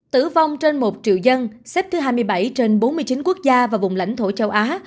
tử vong trên một triệu dân xếp thứ hai mươi bảy trên bốn mươi chín quốc gia và vùng lãnh thổ châu á